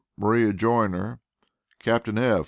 Maria Joiner. Captain F.